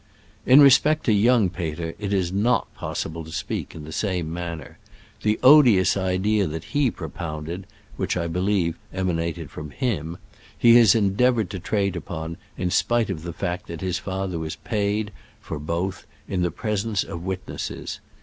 In respect to young Peter, it is not possible to speak in the same manner. The odious idea that he pro pounded (which I believe emanated from him) he has endeavored to trade upon, in spite of the fact that his father was paid (for both) in the presence of witnesses.